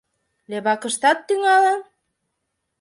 — Лебакыштат тӱҥалын?..